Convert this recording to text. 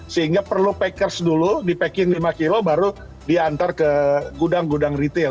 sehingga perlu packers dulu di packing lima kilo baru diantar ke gudang gudang retail